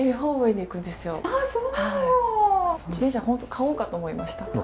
本当に買おうかと思いました。